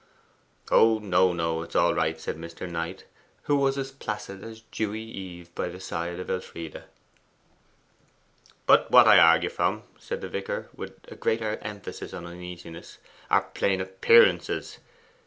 'Oh no, no. It is all right,' said Mr. Knight, who was as placid as dewy eve by the side of Elfride. 'But what I argue from,' said the vicar, with a greater emphasis of uneasiness, 'are plain appearances.